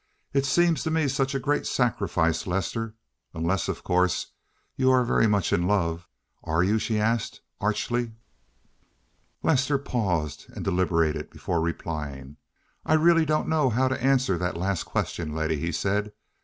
It seems to me such a great sacrifice, Lester, unless, of course, you are very much in love. Are you?" she asked archly. Lester paused and deliberated before replying. "I really don't know how to answer that last question, Letty," he said.